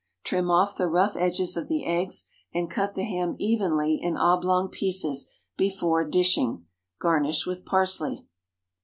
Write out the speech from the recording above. Trim off the rough edges of the eggs, and cut the ham evenly in oblong pieces before dishing. Garnish with parsley.